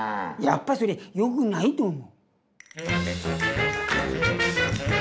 『やっぱそれ、よくないと思う。』